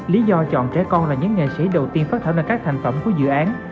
lý do chọn trẻ con là những nghệ sĩ đầu tiên phát thảo ra các thành phẩm của dự án